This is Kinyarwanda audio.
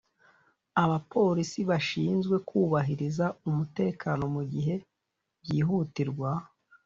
abapolisi bashinzwe kubahiriza umutekano mugihe byihutirwa